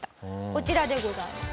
こちらでございます。